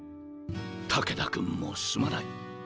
武田君もすまない。